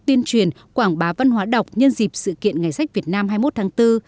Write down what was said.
tuyên truyền quảng bá văn hóa đọc nhân dịp sự kiện ngày sách việt nam hai mươi một tháng bốn